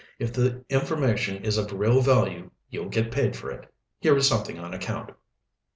If the information is of real value, you'll get paid for it. Here is something on account."